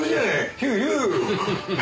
ヒューヒュー。